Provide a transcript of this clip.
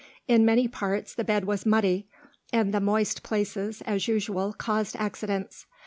In many parts the bed was muddy, and the moist places, as usual, caused accidents.